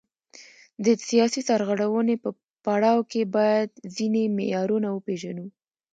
د سیاسي سرغړونې په پړاو کې باید ځینې معیارونه وپیژنو.